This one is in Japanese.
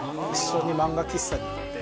一緒に漫画喫茶に行って。